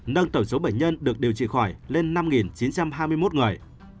nâng tổng số bệnh nhân được điều trị khỏi lên năm chín trăm hai mươi một người